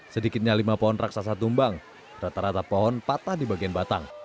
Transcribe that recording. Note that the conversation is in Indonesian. sedikitnya lima pohon raksasa tumbang rata rata pohon patah di bagian batang